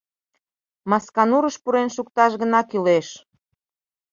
Масканурыш пурен шукташ гына кӱлеш.